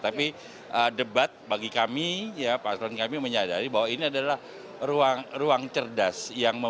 tapi debat bagi kami ya paslon kami menyadari bahwa ini adalah ruang cerdas